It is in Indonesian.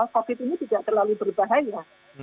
covid ini tidak terlalu berbahaya